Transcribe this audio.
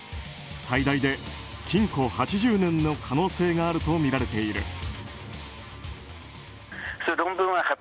最大で禁錮８０年の可能性があるとみられている。